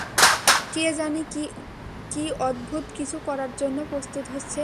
কে জানি কি অদ্ভুত কিছু করার জন্য প্রস্তুত হচ্ছে।